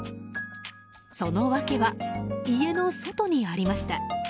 その訳は、家の外にありました。